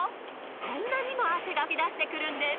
こんなにも汗が吹き出してくるんです。